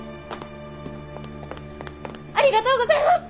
ありがとうございます！